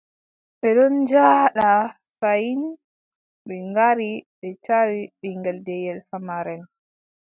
Ɓe ɗon njaada fayin, ɓe ngari, ɓe tawi, ɓiŋngel deyel famarel.